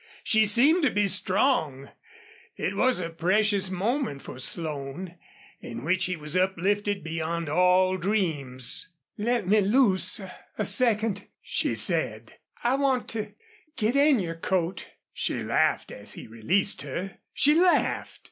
She seemed to be strong. It was a precious moment for Slone, in which he was uplifted beyond all dreams. "Let me loose a second," she said. "I want to get in your coat." She laughed as he released her. She laughed!